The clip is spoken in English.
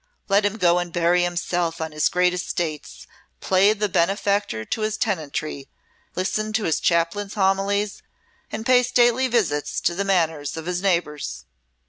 Let him go and bury himself on his great estates, play the benefactor to his tenantry, listen to his Chaplain's homilies, and pay stately visits to the manors of his neighbours."